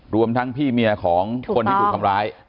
รวมทั้งพี่เมียของคนที่ถูกทำร้าย